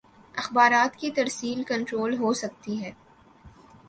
اخبارات کی ترسیل کنٹرول ہو سکتی ہے۔